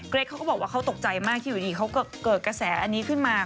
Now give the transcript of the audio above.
เขาก็บอกว่าเขาตกใจมากที่อยู่ดีเขาเกิดกระแสอันนี้ขึ้นมา